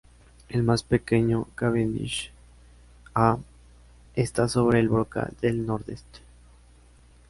El más pequeño "Cavendish A" está sobre el brocal del nordeste.